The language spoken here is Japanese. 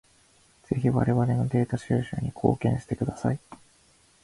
ぜひ我々のデータ収集に貢献してください。